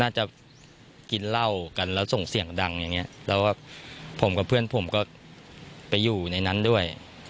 จะกินเหล้ากันแล้วส่งเสียงดังอย่างเงี้ยแล้วแบบผมกับเพื่อนผมก็ไปอยู่ในนั้นด้วย